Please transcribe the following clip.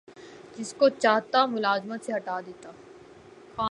جس کو چاہتا ملازمت سے ہٹا دیتا